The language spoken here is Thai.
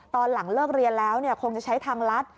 ตอนหลังเลิกเรียนแล้วคงจะใช้ทางลัด